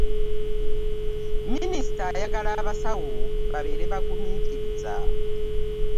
Minisita ayagala abasawo babeere baguminkiriza.